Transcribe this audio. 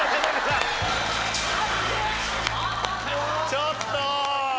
ちょっと！